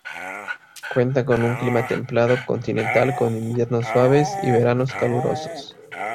Cuenta con un clima templado-continental con inviernos suaves y veranos calurosos.